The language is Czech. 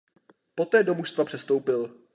Poté do mužstva přestoupil.